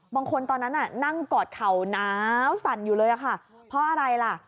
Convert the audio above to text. ตอนนั้นน่ะนั่งกอดเข่าสั่นอยู่เลยค่ะเพราะอะไรล่ะ